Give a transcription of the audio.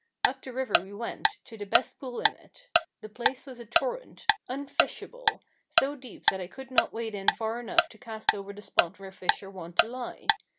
Up the river we went, to the best pool in it. The place was a torrent unfishable so deep that I could not wade in far enough to cast over the spot where fish are wont to lie.